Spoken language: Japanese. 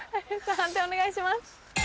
判定お願いします。